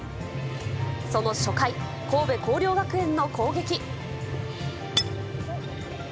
その初回、神戸弘陵学園の攻撃。